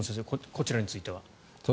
こちらについては。